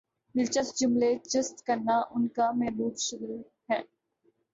دلچسپ جملے چست کرنا ان کامحبوب مشغلہ ہے